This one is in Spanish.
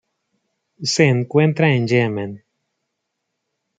Se encuentra en Yemen.